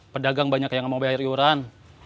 pedagang banyak yang mau bayar iuran